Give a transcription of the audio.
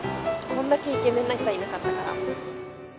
こんだけイケメンな人はいなかったから。